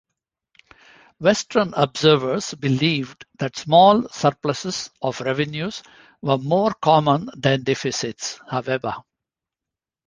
Western observers believed that small surpluses of revenues were more common than deficits, however.